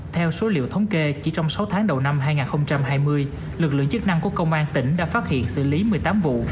theo số liệu thống kê chỉ trong sáu tháng đầu năm hai nghìn hai mươi lực lượng chức năng của công an tỉnh đã phát hiện xử lý một mươi tám vụ